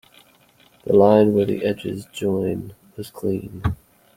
The line where the edges join was clean.